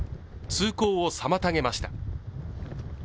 通行を妨げました。